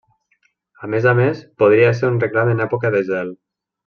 A més a més podria ésser un reclam en època de zel.